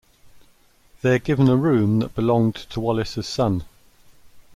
They are given a room that belonged to Wallace's son.